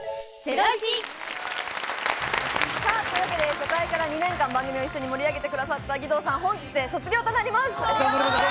初回から２年間、番組を一緒に盛り上げてくださった義堂さん、本日で卒業となります。